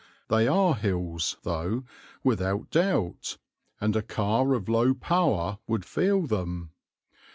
They are hills, though, without doubt, and a car of low power would feel them.